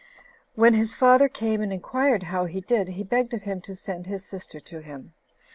When his father came, and inquired how he did, he begged of him to send his sister to him.